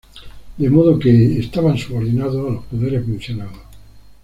De modo que, estaban subordinados a los poderes mencionados.